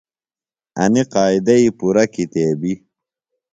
انِیۡ قائدئی پُرہ کتیبِیۡ۔